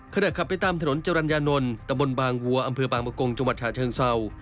เขาได้ขับไปตามถนนจรรยานนท์ตำบลบางวัวอำเภอบางปกกงจมเชิงเศร้า